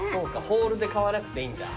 ホールで買わなくていいんだ。